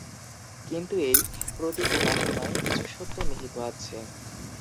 কিন্তু এই প্রতীকোপাসনায় কিছু সত্য নিহিত আছে।